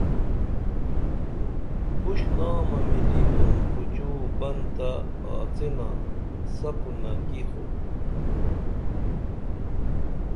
پُش نامہ ملی بُن پُچو بنتہ آڅِنا سپُنی کی خو